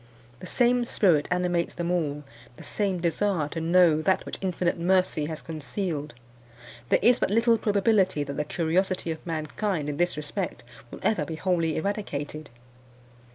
The same spirit animates them all the same desire to know that which Infinite Mercy has concealed. There is but little probability that the curiosity of mankind in this respect will ever be wholly eradicated.